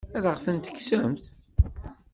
Ad aɣ-tent-tekksemt?